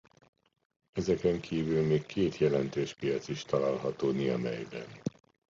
Ezeken kívül még két jelentős piac is található Niamey-ben.